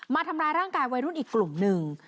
มาทำร้ายร่างกายวัยรุ่นอีกกลุ่มหนึ่ง